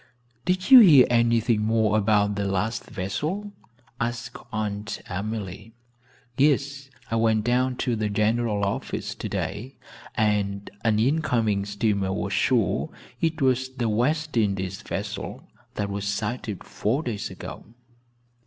"Did you hear anything more about the last vessel?" asked Aunt Emily. "Yes, I went down to the general office today, and an incoming steamer was sure it was the West Indies vessel that was sighted four days ago."